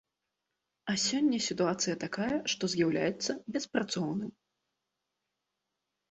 А сёння сітуацыя такая, што з'яўляецца беспрацоўным.